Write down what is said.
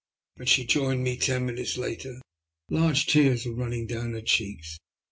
When she joined me, ten minutes later, large tears were running down her cheeks.